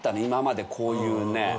今までこういうね。